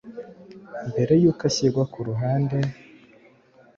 mbere yuko ashyirwa ku ruhande,